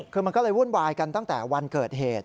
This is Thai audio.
คือมันก็เลยวุ่นวายกันตั้งแต่วันเกิดเหตุ